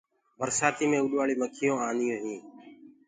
برسآتي مي اُڏوآݪ مکيونٚ آنيونٚ هينٚ۔